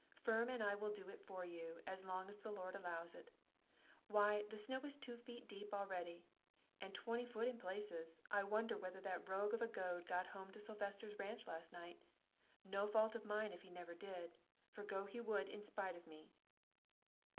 Firm and I will do it for you, as long as the Lord allows of it. Why, the snow is two foot deep a'ready, and twenty foot in places. I wonder whether that rogue of a Goad got home to Sylvester's ranch last night? No fault of mine if he never did, for go he would in spite of me."